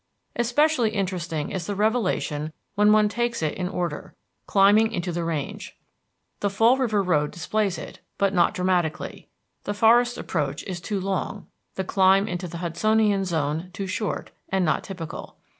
Especially interesting is the revelation when one takes it in order, climbing into the range. The Fall River Road displays it, but not dramatically; the forest approach is too long, the climb into the Hudsonian Zone too short, and not typical.